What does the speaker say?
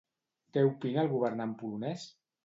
Què opina el governant polonès?